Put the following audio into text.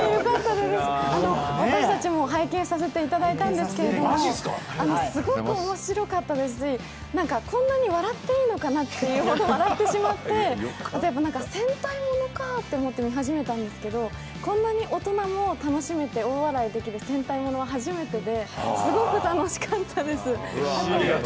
私たちも拝見させていただいたんですけれども、すごく面白かったですし、なんか、こんなに笑っていいのかなというほど笑ってしまって、戦隊ものかと思って見始めたんですけど、こんなに大人も楽しめて大笑いできる戦隊物は初めてですごく楽しかったです。